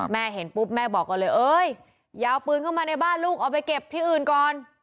เห็นปุ๊บแม่บอกก็เลยเอ้ยอย่าเอาปืนเข้ามาในบ้านลูกเอาไปเก็บที่อื่นก่อน